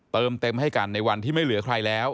เติมเต็มให้กันในวันที่ไม่เหลือใครแล้ว